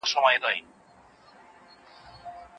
مرګ تر غلامۍ ښه دی.